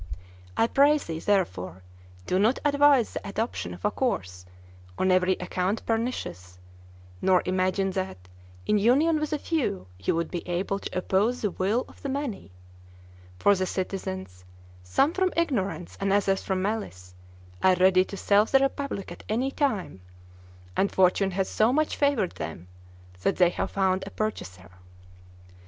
I pray thee, therefore, do not advise the adoption of a course on every account pernicious, nor imagine that, in union with a few, you would be able to oppose the will of the many; for the citizens, some from ignorance and others from malice, are ready to sell the republic at any time, and fortune has so much favored them, that they have found a purchaser.